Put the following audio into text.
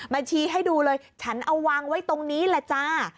ชี้ให้ดูเลยฉันเอาวางไว้ตรงนี้แหละจ้า